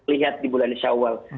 lihat di bulan shawwal